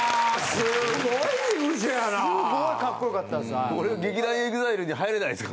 すごいカッコよかったです。